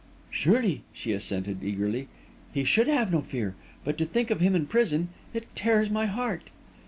"Surely," she assented, eagerly, "he should have no fear. But to think of him in prison it tears my heart!"